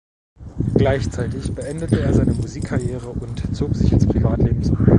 Gleichzeitig beendete er seine Musikkarriere und zog sich ins Privatleben zurück.